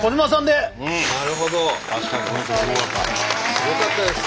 すごかったですね。